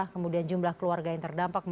kemudian jumlah keluarga yang terdampak